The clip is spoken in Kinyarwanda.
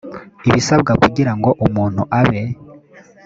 ibisabwa kugira ngo umuntu abe